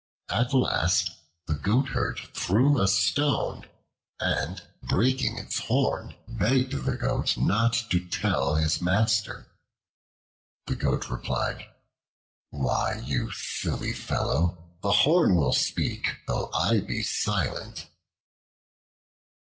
At last the Goatherd threw a stone, and breaking its horn, begged the Goat not to tell his master. The Goat replied, "Why, you silly fellow, the horn will speak though I be silent."